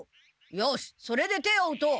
よしそれで手を打とう。